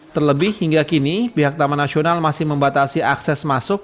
terlebih hingga kini pihak taman nasional masih membatasi akses masuk